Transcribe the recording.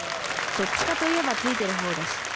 どっちかといえばツイてるほうだし